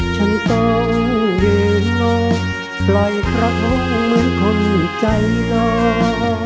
ฉันต้องเดินโลกปล่อยกระทงเหมือนคนใจหลอก